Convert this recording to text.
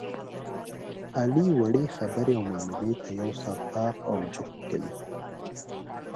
علي وړې خبرې او معاملې ته یو ساعت طاق او جفت کوي.